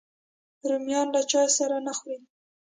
رومیان له چای سره نه خوري